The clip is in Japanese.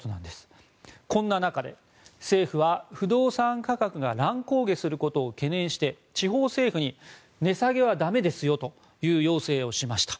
こんな中で、政府は不動産価格が乱高下することを懸念して地方政府に値下げは駄目ですよという要請をしました。